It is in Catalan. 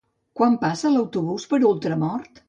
Quan passa l'autobús per Ultramort?